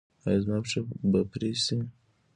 ایا زما پښې به پرې شي؟